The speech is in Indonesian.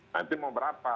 nanti mau berapa